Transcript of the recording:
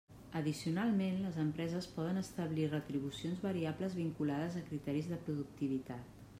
Addicionalment, les empreses poden establir retribucions variables vinculades a criteris de productivitat.